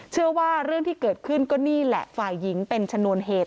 เรื่องที่เกิดขึ้นก็นี่แหละฝ่ายหญิงเป็นชนวนเหตุ